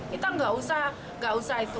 kita tidak usah itu